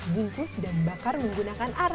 bungkus dan bakar menggunakan